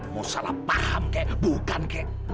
mau salah paham kek bukan kek